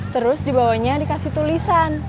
terus di bawahnya dikasih tulisan